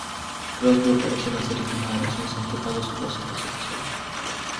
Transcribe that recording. Crosby apareció en la serie animada "Los Simpson", prestando su voz en dos episodios.